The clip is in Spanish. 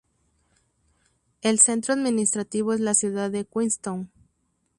El centro administrativo es la ciudad de Queenstown.